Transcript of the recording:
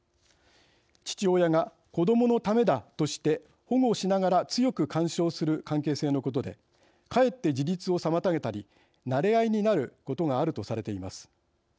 父親が子どものためだとして保護しながら強く干渉する関係性のことでかえって自立をさまたげたりなれ合いになることがあるとされています。